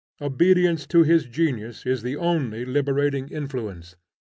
Obedience to his genius is the only liberating influence.